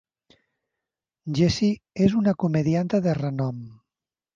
Jessie és una comedianta de renom.